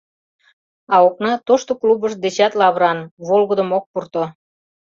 А окна тошто клубышт дечат лавыран, волгыдым ок пурто.